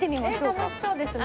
楽しそうですね。